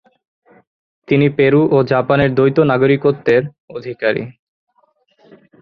তিনি পেরু ও জাপানের দ্বৈত নাগরিকত্বের অধিকারী।